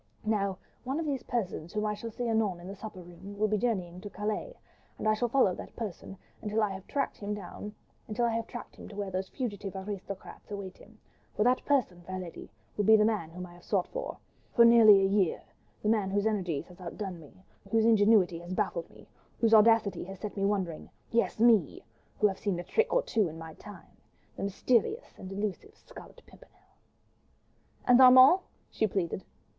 Now, one of those persons whom I shall see anon in the supper room, will be journeying to Calais, and I shall follow that person, until I have tracked him to where those fugitive aristocrats await him; for that person, fair lady, will be the man whom I have sought for, for nearly a year, the man whose energy has outdone me, whose ingenuity has baffled me, whose audacity has set me wondering—yes! me!—who have seen a trick or two in my time—the mysterious and elusive Scarlet Pimpernel." "And Armand?" she pleaded.